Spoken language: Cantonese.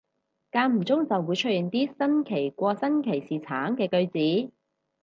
間唔中就會出現啲新奇過新奇士橙嘅句子